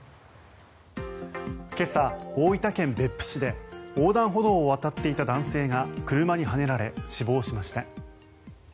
今朝、大分県別府市で横断歩道を渡っていた男性が車にはねられ死亡しました。